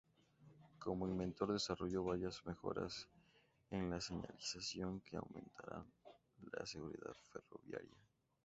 Como inventor, desarrolló varias mejoras en la señalización que aumentaron la seguridad ferroviaria.